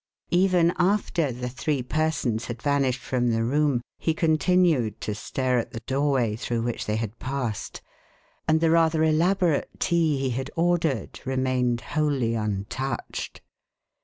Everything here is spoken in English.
"] Even after the three persons had vanished from the room, he continued to stare at the doorway through which they had passed, and the rather elaborate tea he had ordered remained wholly untouched.